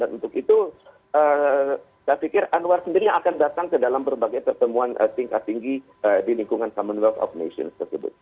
dan untuk itu saya pikir anwar sendiri akan datang ke dalam berbagai pertemuan tingkat tinggi di lingkungan commonwealth of nations tersebut